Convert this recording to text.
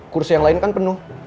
kursi yang lain kan penuh